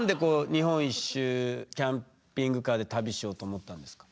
日本一周キャンピングカーで旅しようと思ったんですか？